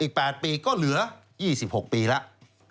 อีก๘ปีก็เหลือ๒๖ปีแล้ว